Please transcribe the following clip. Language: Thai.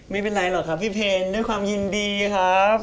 ไม่เป็นไรหรอกครับพี่เพลด้วยความยินดีครับ